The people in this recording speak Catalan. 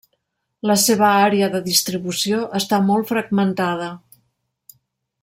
La seva àrea de distribució està molt fragmentada.